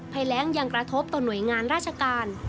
แรงยังกระทบต่อหน่วยงานราชการ